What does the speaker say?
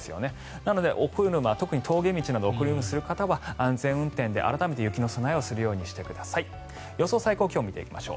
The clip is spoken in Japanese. なので、お車特に峠道を行く方は安全運転で、改めて雪の備えをするようにしてください。